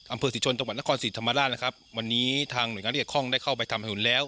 อำเภอศรีชนจังหวัดนครศรีธรรมราชนะครับวันนี้ทางหน่วยงานที่เกี่ยวข้องได้เข้าไปทำถนนแล้ว